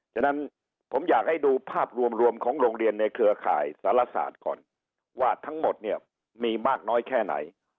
ฉะนั้นผมอยากให้ดูภาพรวมของโรงเรียนในเครือข่ายสารศาสตร์ก่อนว่าทั้งหมดเนี่ยมีมากน้อยแค่ไหน